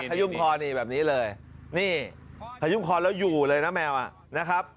ยุ่มคอนี่แบบนี้เลยนี่พยุ่มคอแล้วอยู่เลยนะแมวนะครับ